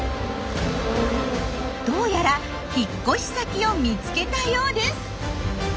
どうやら引っ越し先を見つけたようです。